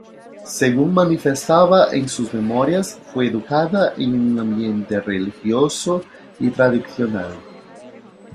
Según manifestaba en sus memorias, fue educada en un ambiente religioso y tradicional.